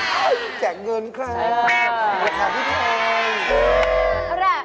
ขอบคุณพี่ชั้นน่ะ